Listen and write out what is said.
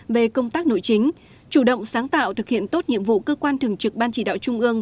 về công tác nội chính chủ động sáng tạo thực hiện tốt nhiệm vụ cơ quan thường trực ban chỉ đạo trung ương